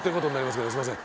すいません。